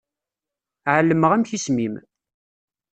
Ԑelmeɣ amek isem-im.